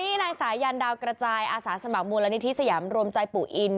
นี่นายสายันดาวกระจายอาสาสมัครมูลนิธิสยามรวมใจปู่อิน